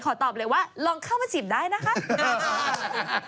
ขอตอบเลยว่าลองเข้ามาจิบได้นะคะ